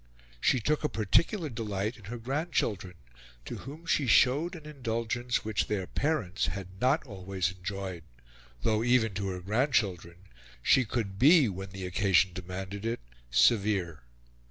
She took a particular delight in her grandchildren, to whom she showed an indulgence which their parents had not always enjoyed, though, even to her grandchildren, she could be, when the occasion demanded it, severe.